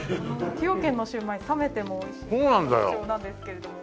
崎陽軒のシウマイ冷めてもおいしいのが特長なんですけれども。